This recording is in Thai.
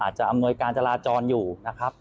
จะอำนวยการจราจรอยู่นะครับ